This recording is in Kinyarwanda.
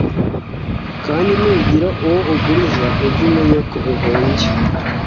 kandi nugira uwo uguriza, ujye umenya ko uhombye